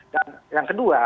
dan yang kedua